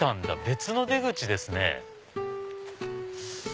別の出口ですね。